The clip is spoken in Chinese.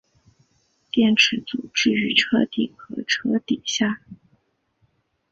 电池组置于车顶和车底下。